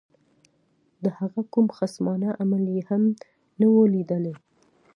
د هغه کوم خصمانه عمل یې هم نه وو لیدلی.